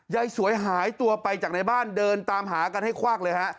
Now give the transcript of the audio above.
ยายสวยหายตัวไปจากในบ้านเดินตามหากันให้ควักเลยฮะ